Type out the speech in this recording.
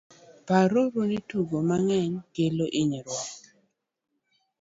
par uru ni tugo mang'eny kelo hinyruok